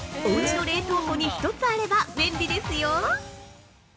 お家の冷凍庫に１つあれば便利ですよ！